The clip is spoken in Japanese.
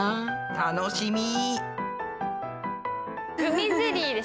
楽しみ。